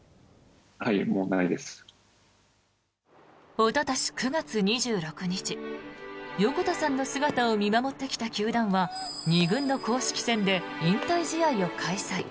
おととし９月２６日横田さんの姿を見守ってきた球団は２軍の公式戦で引退試合を開催。